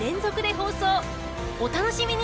お楽しみに！